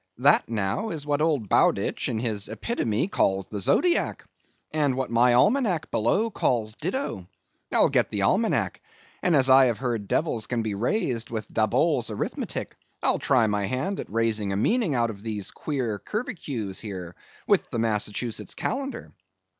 That, now, is what old Bowditch in his Epitome calls the zodiac, and what my almanac below calls ditto. I'll get the almanac and as I have heard devils can be raised with Daboll's arithmetic, I'll try my hand at raising a meaning out of these queer curvicues here with the Massachusetts calendar.